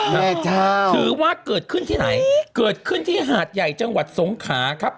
น่าจ้าถือว่าเกิดขึ้นที่ไหนเกิดขึ้นที่หาดใหญ่จังหวัดสงขาครับ